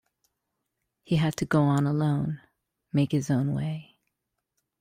He had to go on alone, make his own way.